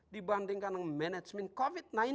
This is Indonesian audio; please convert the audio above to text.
dibandingkan dengan manajemen covid sembilan belas